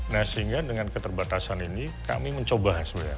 nah sehingga dengan keterbatasan ini kami mencoba sebenarnya